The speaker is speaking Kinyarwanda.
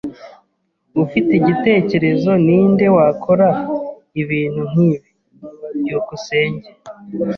Ufite igitekerezo ninde wakora ibintu nkibi? byukusenge